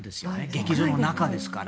劇場の中ですから。